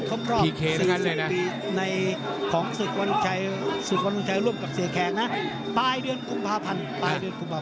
ครบรอบ๔๐ปีในของสุดวันชัยร่วมกับเสียแขกนะป้ายเดือนคุมภาพันธ์